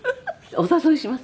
お誘いします。